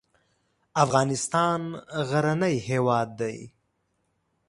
افغانستان غرنی هېواد دی.